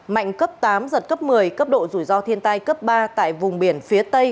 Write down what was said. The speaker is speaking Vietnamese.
mạnh cấp tám giật cấp một mươi cấp độ rủi ro thiên tai cấp ba tại vùng biển phía tây